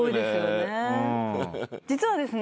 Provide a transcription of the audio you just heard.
実はですね